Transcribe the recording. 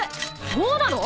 そうなの？